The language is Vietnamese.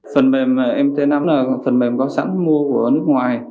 phần mềm mt nắm là phần mềm có sẵn mua của nước ngoài